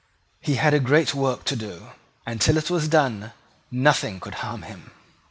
He had a great work to do; and till it was done nothing could harm him.